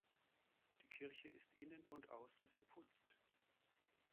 Die Kirche ist innen und außen verputzt.